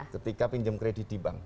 ketika pinjam kredit di bank